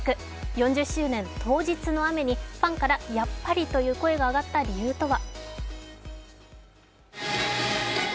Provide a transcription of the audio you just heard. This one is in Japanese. ４０周年当日の雨にファンからやっぱりという声が上がった理由とは。